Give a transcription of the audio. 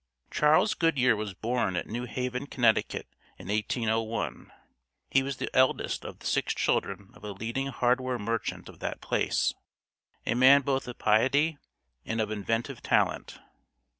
Charles Goodyear was born at New Haven, Connecticut, in 1801. He was the eldest of the six children of a leading hardware merchant of that place, a man both of piety and of inventive talent.